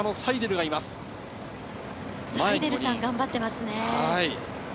サイデルさん、頑張ってますね。